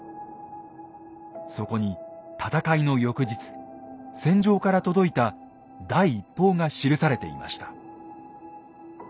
そこに戦いの翌日戦場から届いた第一報が記されていました。